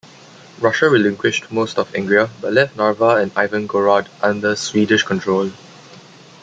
Russia relinquished most of Ingria but left Narva and Ivangorod under Swedish control.